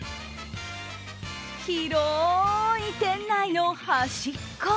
広い店内の端っこ。